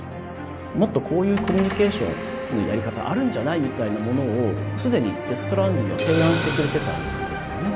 もっとこういうコミュニケーションのやり方あるんじゃないみたいなものを既に「デス・ストランディング」は提案してくれてたんですよね。